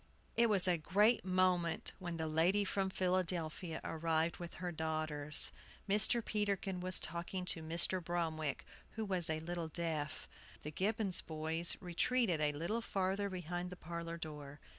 It was a great moment when the lady from Philadelphia arrived with her daughters. Mr. Peterkin was talking to Mr. Bromwick, who was a little deaf. The Gibbons boys retreated a little farther behind the parlor door.